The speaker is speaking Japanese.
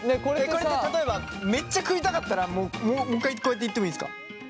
これって例えばめっちゃ食いたかったらもう一回こうやっていってもいいですか？